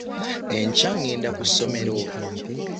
Enkya ngenda kussomero.